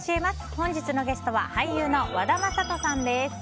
本日のゲストは俳優の和田正人さんです。